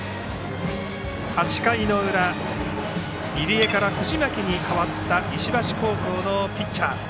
８回の裏、入江から藤巻に代わった石橋高校のピッチャー。